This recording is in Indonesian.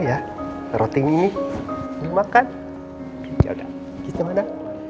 ya roti ini dimakan ya udah gitu mana